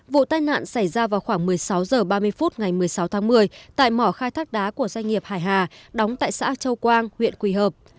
vụ tai nạn xảy ra vào khoảng một mươi sáu h ba mươi phút ngày một mươi sáu tháng một mươi tại mỏ khai thác đá của doanh nghiệp hải hà đóng tại xã châu quang huyện quỳ hợp